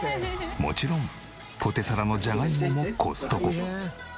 もちろんポテサラのジャガイモもコストコ。